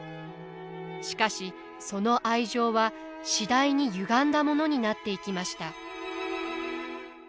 しかしその愛情は次第にゆがんだものになっていきました。